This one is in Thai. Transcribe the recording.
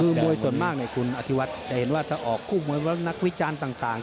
คือมวยส่วนมากคุณอธิวัฒน์จะเห็นว่าถ้าออกคู่มวยว่านักวิจารณ์ต่าง